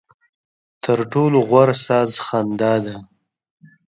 ترټولو غوره ساز خندا ده.